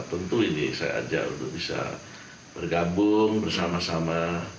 tentu ini saya ajak untuk bisa bergabung bersama sama